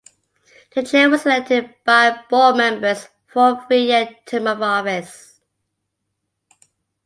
The Chair was elected by Board members for a three-year term of office.